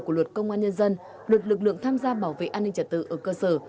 của luật công an nhân dân luật lực lượng tham gia bảo vệ an ninh trật tự ở cơ sở